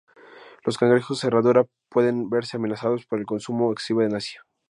Los cangrejos herradura pueden verse amenazados por el consumo excesivo en Asia.